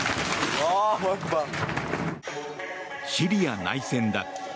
シリア内戦だ。